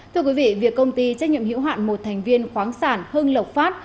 thưa quý vị việc công ty trách nhiệm hiệu hoạn một thành viên khoáng sản hưng lộc phát